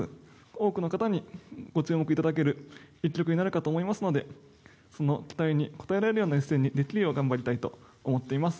多くの方にご注目いただける一局になるかと思いますので、その期待に応えられるような一戦にできるよう、頑張りたいと思っています。